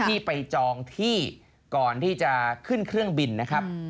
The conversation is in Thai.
ที่ไปจองที่ก่อนที่จะขึ้นเครื่องบินนะครับ